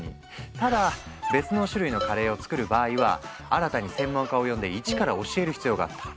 ただ別の種類のカレーを作る場合は新たに専門家を呼んで一から教える必要があった。